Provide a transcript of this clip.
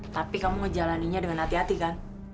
tapi kamu mau menjalannya dengan hati hati kan